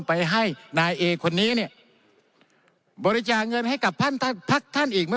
ไปให้นายเอคนนี้เนี่ยบริจาคเงินให้กับพักท่านอีก